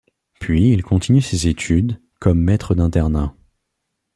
Puis il continue ses études, comme maître d'internat.